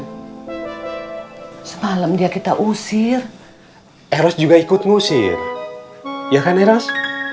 hai semalam dia kita usir eros juga ikut ngusir ya kan eros